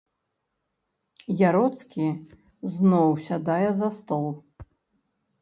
Яроцкі зноў сядае за стол.